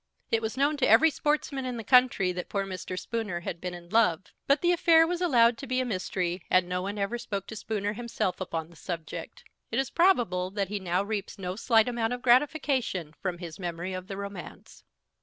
It was known to every sportsman in the country that poor Mr. Spooner had been in love; but the affair was allowed to be a mystery, and no one ever spoke to Spooner himself upon the subject. It is probable that he now reaps no slight amount of gratification from his memory of the romance.